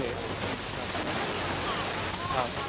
คือเราคุยกันเหมือนเดิมตลอดเวลาอยู่แล้วไม่ได้มีอะไรสูงแรง